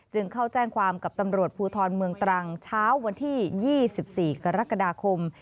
เข้าแจ้งความกับตำรวจภูทรเมืองตรังเช้าวันที่๒๔กรกฎาคม